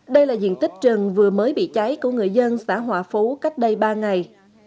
đây là diện tích rừng vừa mới bị cháy của người dân xã hòa phú cách đây ba ngày